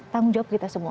tanggung jawab kita semua